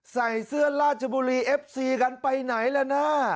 ใส่เสื้อราชบุรีเอฟซีกันไปไหนล่ะนะ